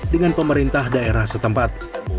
dengan pemerintah daerah setempat